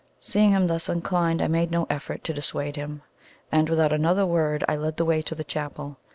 Seeing him thus inclined, I made no effort to dissuade him, and without another word I led the way to the chapel.